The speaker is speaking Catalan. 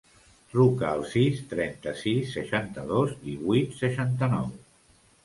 Truca al sis, trenta-sis, seixanta-dos, divuit, seixanta-nou.